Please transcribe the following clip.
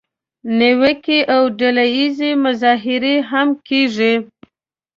نیوکې او ډله اییزه مظاهرې هم کیږي.